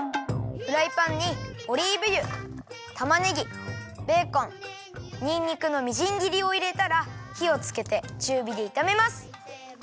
フライパンにオリーブ油たまねぎベーコンにんにくのみじんぎりをいれたらひをつけてちゅうびでいためます。